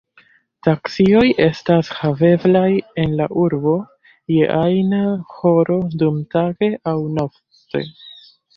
Taksioj estas haveblaj en la urbo je ajna horo dumtage aŭ nokte.